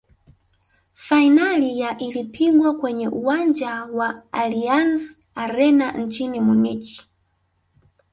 fainali ya ilipigwa kwenye uwanjani wa allianz arena mjini munich